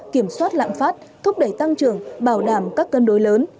kiểm soát lạm phát thúc đẩy tăng trưởng bảo đảm các cân đối lớn